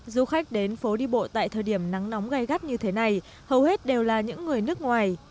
du khách đến phố đi bộ tại thời điểm nắng nóng gai gắt như thế này hầu hết đều là những người nước ngoài